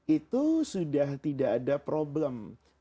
itu sudah tidak ada problem